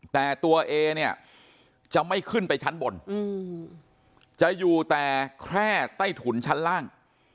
แต่ตัวเอเนี่ยจะไม่ขึ้นไปชั้นบนจะอยู่แต่แค่ใต้ถุนชั้นล่าง